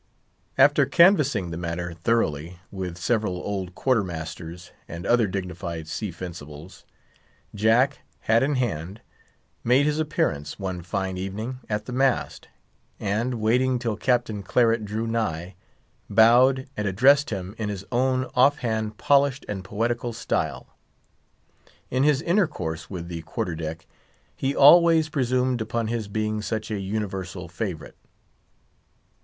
After canvassing the matter thoroughly with several old quarter masters and other dignified sea fencibles, Jack, hat in hand, made his appearance, one fine evening, at the mast, and, waiting till Captain Claret drew nigh, bowed, and addressed him in his own off hand, polished, and poetical style. In his intercourse with the quarter deck, he always presumed upon his being such a universal favourite.